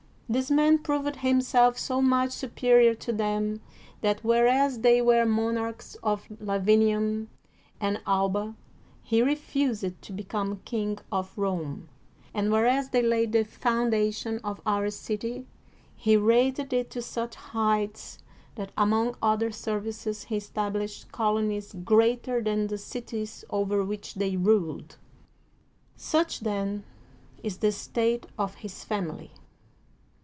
This man proved himself so much superior to them^ that whereas they were monarchs of Lavinium and Alba, he refused to become king of Rome; and whereas they laid the foundation of our city, he raised it to such heights that among other serv ices he established colonies greater than the cities over which they ruled. Such, then, is the state of his family.